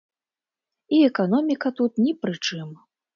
І эканоміка тут ні пры чым.